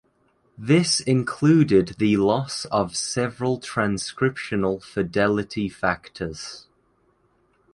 This included the loss of several transcriptional fidelity factors.